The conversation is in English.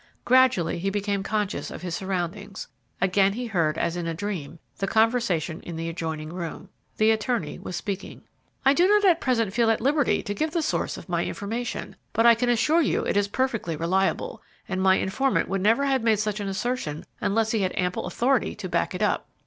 Gradually he became conscious of his surroundings. Again he heard, as in a dream, the conversation in the adjoining room. The attorney was speaking. "I do not at present feel at liberty to give the source of my information, but I can assure you it is perfectly reliable, and my informant would never have made such an assertion unless he had ample authority to back it up."